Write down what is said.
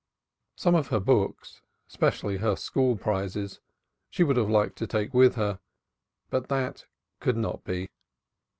Some of her books, especially her school prizes, she would have liked to take with her but that could not be.